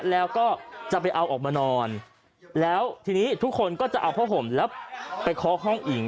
แล้วก็จะไปเอาออกมานอนแล้วทีนี้ทุกคนก็จะเอาผ้าห่มแล้วไปเคาะห้องอิง